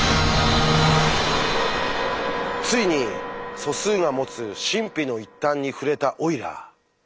ついに素数が持つ神秘の一端に触れたオイラー。